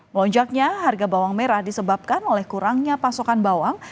melonjaknya harga bawang merah disebabkan oleh kurangnya pasokan bawang